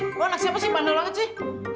ibu anak siapa sih bandel banget sih